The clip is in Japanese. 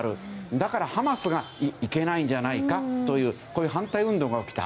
だからハマスがいけないんじゃないかというこういう反対運動が起きた。